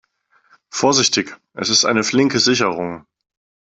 Vorsichtig, es ist eine flinke Sicherung.